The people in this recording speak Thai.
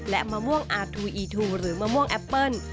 และมะม่วงอาทูอีทูหรือมะม่วงแอปเปิ้ล